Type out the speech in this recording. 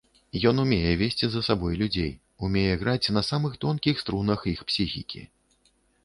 Ён умее весці за сабой людзей, умее граць на самых тонкіх струнах іх псіхікі.